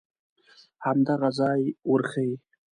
همدغه ځای ورښیې.